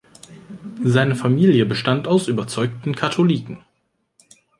Seine Familie bestand aus überzeugten Katholiken.